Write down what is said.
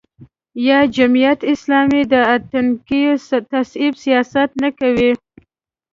یا جمعیت اسلامي د اتنیکي تعصب سیاست نه کوي.